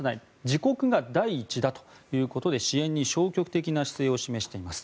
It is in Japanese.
自国が第一だということで支援に消極的な姿勢を示しています。